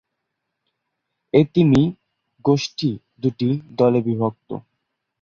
এ তিমি গোষ্ঠী দু’টি দলে বিভক্ত।